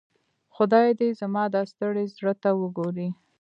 خدای دي زما دا ستړي زړۀ ته وګوري.